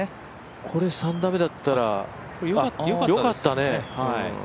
これ、３打目だったらよかったね。